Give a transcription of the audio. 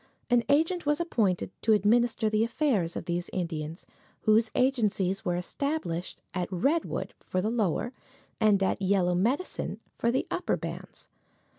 An agent was appointed to administer the affairs of these Indians, whose agencies were established at Redwood for the lower and at Yellow Medicine for the upper bands.